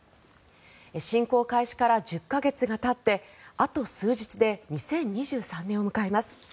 侵攻開始から１０か月がたってあと数日で２０２３年を迎えます。